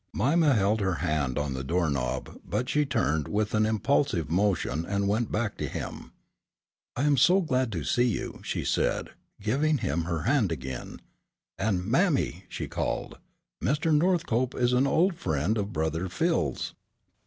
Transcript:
Mima had her hand on the door knob, but she turned with an impulsive motion and went back to him. "I am so glad to see you," she said, giving him her hand again, and "Mammy," she called, "Mr. Northcope is an old friend of brother Phil's!"